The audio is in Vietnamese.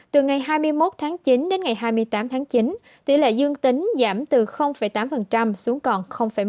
từ ngày hai mươi một tháng chín đến ngày hai mươi tám tháng chín tỷ lệ dương tính giảm từ tám xuống còn một